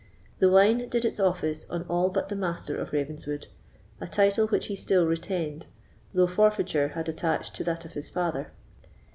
The wine did its office on all but the Master of Ravenswood, a title which he still retained, though forfeiture had attached to that of his father.